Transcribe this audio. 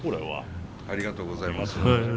ありがとうございます。